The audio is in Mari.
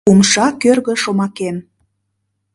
Умша кӧргӧ шомакем, -